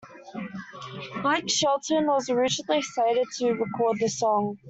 Blake Shelton was originally slated to record the song.